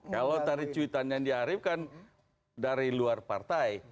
kalau dari cuitan andi arief kan dari luar partai